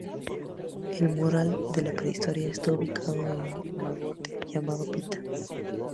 El Mural de la Prehistoria está ubicado en el mogote llamado Pita.